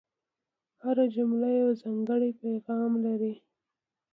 هره جمله یو ځانګړی پیغام لري.